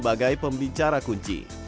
sebagai pembicara kunci